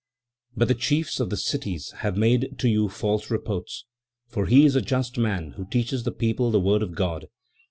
"But the chiefs of the cities have made to you false reports, for he is a just man, who teaches the people the word of God.